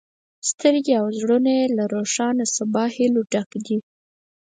سترګې او زړونه یې له روښانه سبا له هیلو ډک دي.